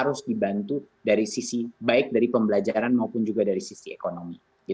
harus dibantu dari sisi baik dari pembelajaran maupun juga dari sisi ekonomi